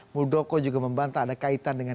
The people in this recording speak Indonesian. muldoko juga membantah ada kaitan dengan